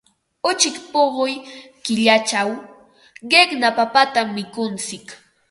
Uchik puquy killachaq qiqna papatam mikuntsik.